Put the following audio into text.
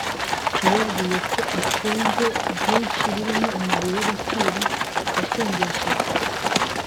yababwiye ko atunze byinshi birimo amabuye y’agaciro yashongeshejwe